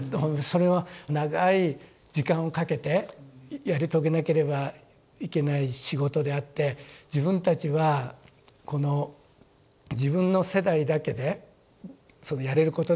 それは長い時間をかけてやり遂げなければいけない仕事であって自分たちはこの自分の世代だけでそのやれることではない。